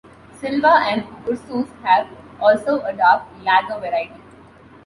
Silva and Ursus have also a dark lager variety.